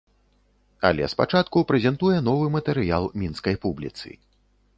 Але спачатку прэзентуе новы матэрыял мінскай публіцы.